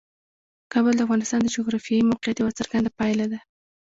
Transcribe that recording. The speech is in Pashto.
کابل د افغانستان د جغرافیایي موقیعت یوه څرګنده پایله ده.